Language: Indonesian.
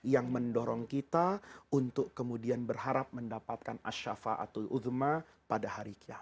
yang mendorong kita untuk kemudian berharap mendapatkan asyafaat ul uzma pada hari kiamat